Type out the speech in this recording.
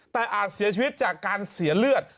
แต่อาจเสียชีวิตจากการเสียเลือด